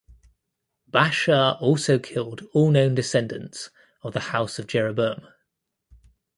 Baasha also killed all known descendants of the House of Jeroboam.